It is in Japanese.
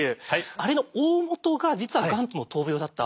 あれの大本が実はがんとの闘病だった。